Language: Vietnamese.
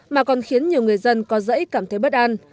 mà còn khiến nhiều người dân có rẫy cảm thấy bất an